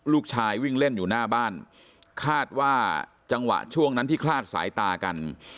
ลูกชายวิ่งเล่นอยู่หน้าบ้านคาดว่าจังหวะช่วงนั้นที่คลาดสายตากัน